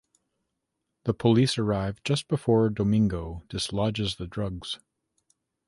The police arrive just before Domingo dislodges the drugs.